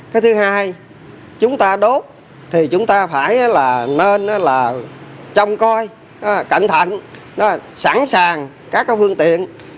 cái thứ hai chúng ta đốt thì chúng ta phải là nên là trông coi cẩn thận sẵn sàng các phương tiện